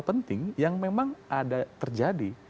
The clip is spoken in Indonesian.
penting yang memang ada terjadi